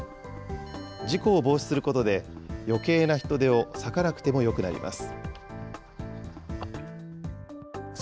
事故を防止することでよけいな人手を割かなくてもよくなります。